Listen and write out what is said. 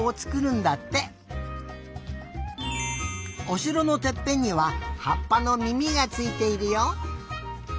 おしろのてっぺんにははっぱのみみがついているよ。